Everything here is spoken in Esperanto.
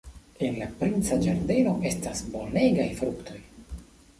En la princa ĝardeno estas bonegaj fruktoj.